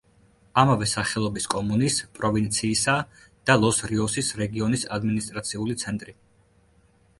ამავე სახელობის კომუნის, პროვინციისა და ლოს-რიოსის რეგიონის ადმინისტრაციული ცენტრი.